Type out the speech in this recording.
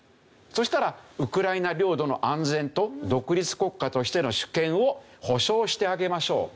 そしたらウクライナ領土の安全と独立国家としての主権を保障してあげましょう。